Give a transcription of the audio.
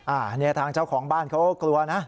อันนี้ทางเจ้าของบ้านเขาก็กลัวนะ